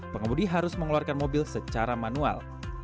pengemudi harus mengeluarkan mobil secara manual